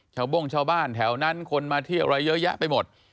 โบ้งชาวบ้านแถวนั้นคนมาเที่ยวอะไรเยอะแยะไปหมด